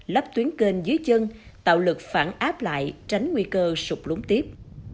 lắp tuyến kênh dưới chân tạo lực phản áp lại tránh nguy cơ sụp lún tiếp